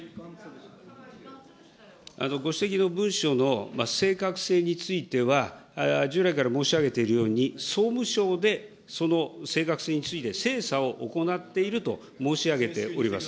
ご指摘の文書の正確性については従来から申し上げているように、総務省でその正確性について精査を行っていると申し上げております。